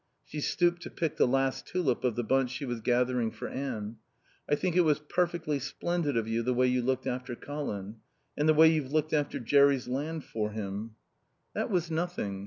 She stooped to pick the last tulip of the bunch she was gathering for Anne. "I think it was perfectly splendid of you the way you looked after Colin. And the way you've looked after Jerry's land for him." "That was nothing.